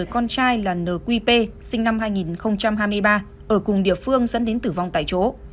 con trai là nqp năm hai nghìn hai mươi ba ở cùng địa phương dẫn đến tử vong tại chỗ